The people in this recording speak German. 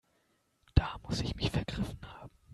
Da muss ich mich vergriffen haben.